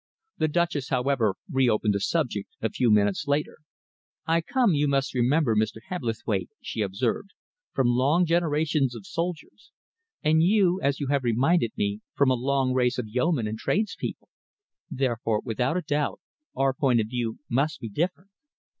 The Duchess, however, reopened the subject a few minutes later. "I come, you must remember, Mr. Hebblethwaite," she observed, "from long generations of soldiers, and you, as you have reminded me, from a long race of yeomen and tradespeople. Therefore, without a doubt, our point of view must be different.